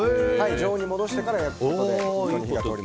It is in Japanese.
常温に戻しておいてから焼くことで。